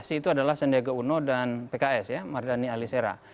pasti itu adalah sendega uno dan pks ya mardhani alisera